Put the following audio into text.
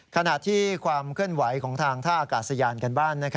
ขณะที่ความเคลื่อนไหวของทางท่าอากาศยานกันบ้าน